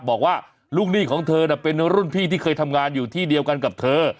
บอกว่าลูกหนี้ของเธอน่ะเป็นรุ่นพี่ที่เคยทำงานอยู่ที่เดียวกันกับเธอ